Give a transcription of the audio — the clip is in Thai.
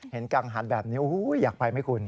กังหันแบบนี้อยากไปไหมคุณ